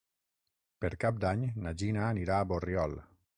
Per Cap d'Any na Gina anirà a Borriol.